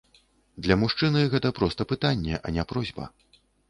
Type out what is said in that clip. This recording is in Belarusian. Для мужчыны гэта проста пытанне, а не просьба.